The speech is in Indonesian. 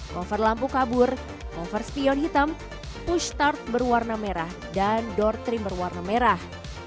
cover lampu kabur over spion hitam pushtar berwarna merah dan door trim berwarna merah